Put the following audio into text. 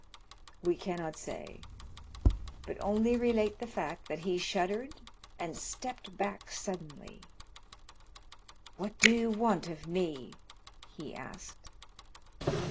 We cannot say; but only relate the fact that he shuddered and stepped back suddenly. "What do you want of me?" he asked.